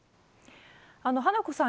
花子さん